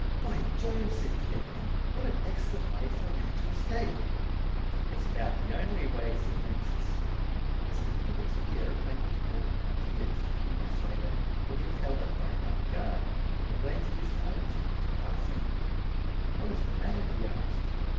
"By Jove!" said T. X. "What an excellent way for a man to escape!" "It's about the only way," said Mansus. The significance of the aeroplane was borne in upon T. X. a few minutes later when he was held up by an armed guard. A glance at his card was enough to pass him. "What is the matter?" he asked.